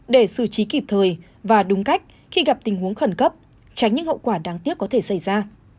để xử trí kịp thời và đúng cách khi gặp tình huống khẩn cấp tránh những hậu quả đáng tiếc có thể xảy ra